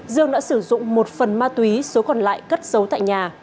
dương đã sử dụng một phần ma túy số còn lại cất giấu tại nhà